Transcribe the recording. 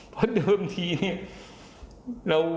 เพราะเดิมทีเนี่ย